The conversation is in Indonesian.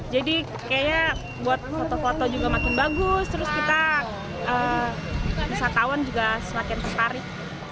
jadi kayaknya buat foto foto juga makin bagus terus kita wisatawan juga semakin tertarik